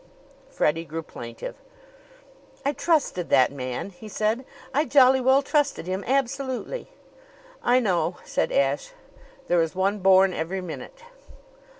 Freddie grew plaintive. "I trusted that man," he said. "I jolly well trusted him absolutely." "I know," said Ashe. "There is one born every minute."